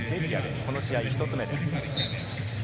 この試合１つ目です。